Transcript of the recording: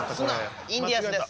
インディアンスです。